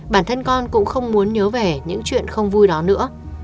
bản thân con cũng không muốn nhớ về những chuyện không vui đó nữa